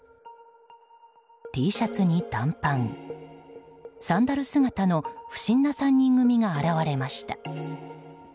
Ｔシャツに短パン、サンダル姿の不審な３人組が現れました。